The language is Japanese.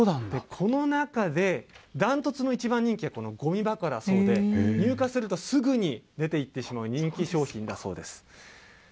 この中で断トツの一番人気は、このごみ箱だそうで、入荷するとすぐに出ていってしまう人気商品だそうです。